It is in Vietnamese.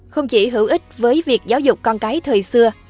không chỉ hữu ích với việc giáo dục con cái thời xưa